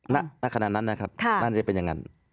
ณขณะนั้นนะครับน่าจะเป็นอย่างนั้น